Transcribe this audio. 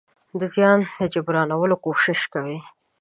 د زيان د جبرانولو کوشش کوي.